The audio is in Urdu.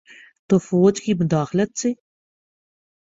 تو فوج کی مداخلت سے۔